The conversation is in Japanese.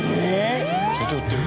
社長売ってる。